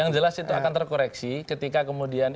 yang jelas itu akan terkoreksi ketika kemudian